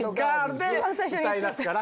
で歌い出すから。